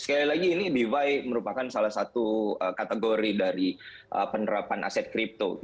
sekali lagi ini defi merupakan salah satu kategori dari penerapan aset kripto